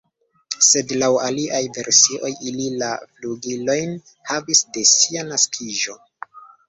Sed laŭ aliaj versioj ili la flugilojn havis de sia naskiĝo.